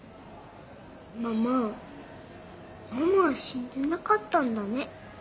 ママママは死んでなかったんだね。